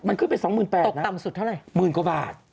มันขึ้นไป๒๘๐๐๐บาทนะตกต่ำสุดเท่าไร๑๐๐๐๐กว่าบาท